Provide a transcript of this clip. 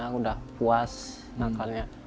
aku udah puas nakalnya